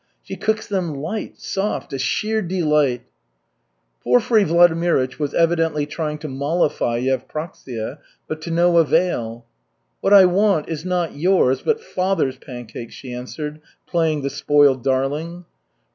She cooks them light, soft a sheer delight!" Porfiry Vladimirych was evidently trying to mollify Yevpraksia, but to no avail. "What I want is not yours, but father's pancakes," she answered, playing the spoiled darling.